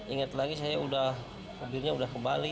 ingat lagi saya mobilnya udah kembali